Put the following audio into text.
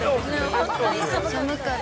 本当に寒かった。